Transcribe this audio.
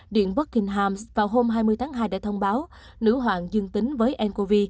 điện buckingham vào hôm hai mươi tháng hai đã thông báo nữ hoàng dương tính với ncov